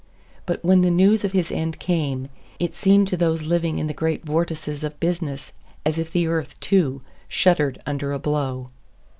But when the news of his end came, it seemed to those living in the great vortices of business as if the earth, too, shuddered under a blow.